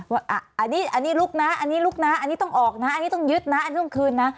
ว่าอันนี้ลุกนะอันนี้ลุกนะอันนี้ต้องออกนะอันนี้ต้องยึดนะอันนี้ต้องคืนนะ